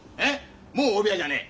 もう大部屋じゃねえ。